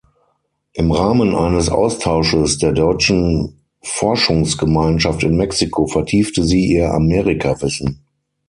Im Rahmen eines Austausches der Deutschen Forschungsgemeinschaft in Mexiko vertiefte sie ihr Amerika-Wissen.